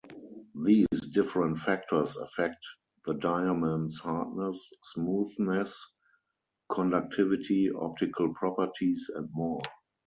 These different factors affect the diamond's hardness, smoothness, conductivity, optical properties and more.